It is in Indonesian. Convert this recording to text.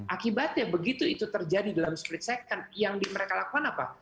akibatnya begitu itu terjadi dalam split second yang mereka lakukan apa